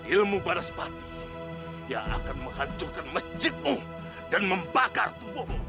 ilmu balas pati yang akan menghancurkan masjidmu dan membakar tubuhmu